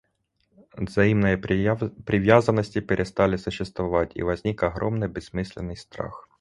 Взаимные привязанности перестали существовать, и возник огромный бессмысленный страх.